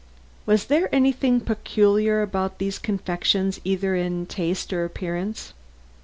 "Was there anything peculiar about these confections either in taste or appearance?"